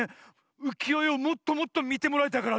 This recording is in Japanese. うきよえをもっともっとみてもらいたいからね